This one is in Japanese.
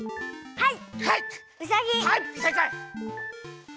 はい！